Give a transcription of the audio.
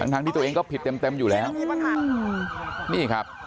ทั้งที่ตัวเองก็ผิดเต็มอยู่แล้วนี่ครับ